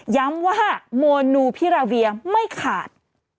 ย้ำว่าโมนูพิราเวียไม่ขาด